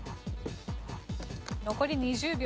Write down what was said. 残り２０秒。